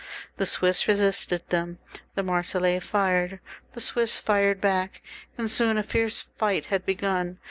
The Swiss resisted them ; the Marseillese fired, the Swiss fired back, and soon a fierce fight had begun.